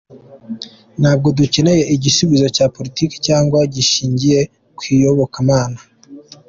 Ntabwo dukeneye igisubizo cya politiki cyangwa gishingiye ku iyobokamana".